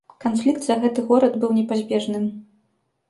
Канфлікт за гэты горад быў непазбежным.